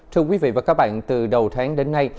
thưa quý vị và các bạn từ đầu tháng đến nay